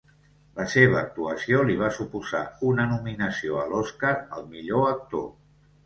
La seva actuació li va suposar una nominació a l'Oscar al millor actor.